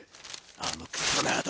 あのクソナード！